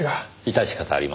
致し方ありません。